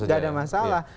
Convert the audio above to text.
tidak ada masalah